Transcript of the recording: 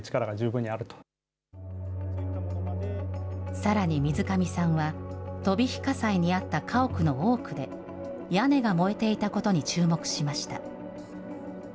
さらに水上さんは、飛び火火災に遭った家屋の多くで、屋根が燃えていたことに注目しました。